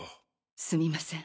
すみません